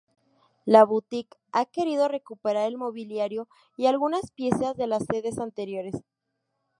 La boutique ha querido recuperar el mobiliario y algunas piezas de las sedes anteriores.